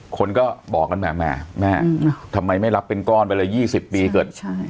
คนก็บอกกันแหมแม่ทำไมไม่รับเป็นกรอบเวลา๒๐ปี